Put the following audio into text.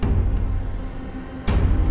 masalah ini serahlah dia